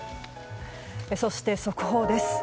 そして速報です。